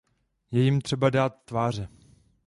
Je jim třeba dát tváře.